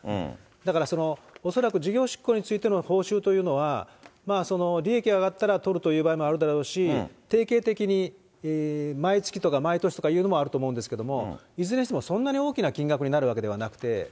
だからその恐らく事業執行についての報酬というのは、利益が上がったら取るという場合もあるだろうし、定形的に毎月とか、毎年とかいうのもあると思うんですけれども、いずれにしてもそんなに大きな金額になるわけではなくて。